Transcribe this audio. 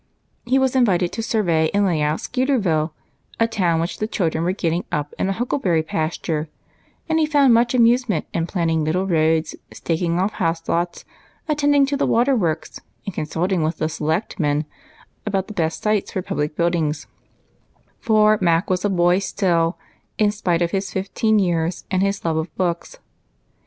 He was invited to survey and lay out Skeeterville, a town which the children were getting up in a huckleberry j^asture ; and he found much amusement in jDlanning little roads, staking off house lots, attending to the water works, and consulting with the " selectmen " about the best sites for public buildings ; for Mac was a boy still, in spite of his fifteen years and his love of books.